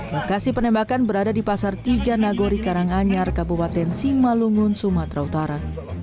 lokasi penembakan berada di pasar tiga nagori karanganyar kabupaten simalungun sumatera utara